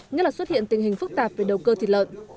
nhất là xuất hiện tình hình phức tạp về đầu cơ thịt lợn